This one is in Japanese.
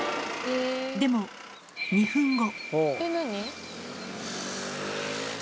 でも、２分後。